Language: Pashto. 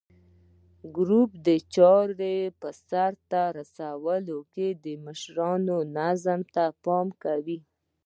ګروپ د چارو په سرته رسولو کې د مشر نظر ته پام کوي.